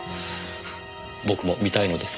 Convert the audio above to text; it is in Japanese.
僕も見たいのですが。